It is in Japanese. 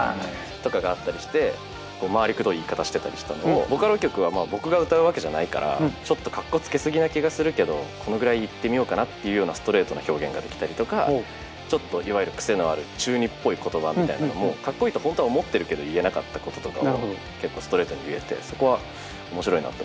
とかがあったりして回りくどい言い方してたりしたのをボカロ曲は僕が歌うわけじゃないからちょっとかっこつけすぎな気がするけどこのぐらいいってみようかなっていうようなストレートな表現ができたりとかちょっといわゆる癖のある厨二っぽい言葉みたいなのもかっこいいと本当は思ってるけど言えなかったこととかを結構ストレートに言えてそこは面白いなって思いますね。